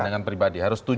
tandangan pribadi harus tujuh